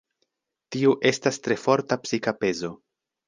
Tiu estas tre forta psika pezo.